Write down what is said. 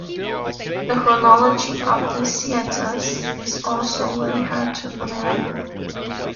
The chronology of the sceattas is also very hard to unravel.